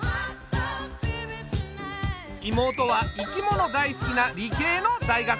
妹は生き物大好きな理系の大学生。